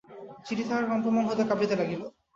চিঠি তাঁহার কম্পমান হাতে কাঁপিতে লাগিল।